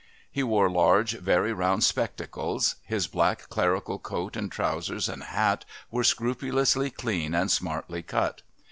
He wore large, very round spectacles. His black clerical coat and trousers and hat were scrupulously clean and smartly cut.